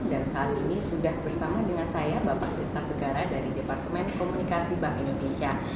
dan saat ini sudah bersama dengan saya bapak tirta segara dari departemen komunikasi bank indonesia